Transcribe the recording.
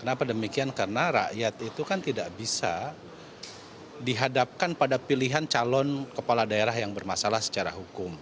kenapa demikian karena rakyat itu kan tidak bisa dihadapkan pada pilihan calon kepala daerah yang bermasalah secara hukum